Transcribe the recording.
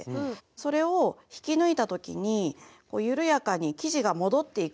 それを引き抜いた時に緩やかに生地が戻っていくんです。